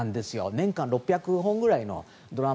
年間６００本ぐらいのドラマ